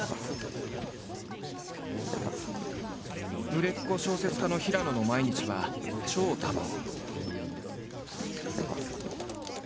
売れっ子小説家の平野の毎日は超多忙。